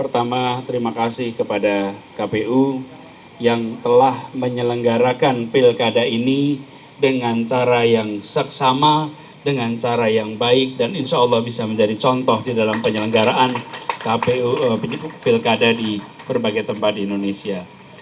pertama terima kasih kepada kpu yang telah menyelenggarakan pilkada ini dengan cara yang seksama dengan cara yang baik dan insya allah bisa menjadi contoh di dalam penyelenggaraan pilkada di berbagai tempat di indonesia